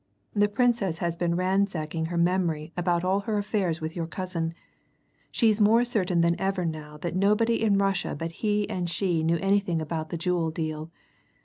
The Princess has been ransacking her memory all about her affairs with your cousin; she's more certain than ever now that nobody in Russia but he and she knew anything about the jewel deal.